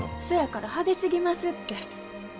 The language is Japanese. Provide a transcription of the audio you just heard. そやから派手すぎますって。